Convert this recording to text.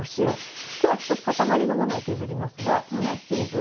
今日は少し塊のものを削りますが粉チーズ。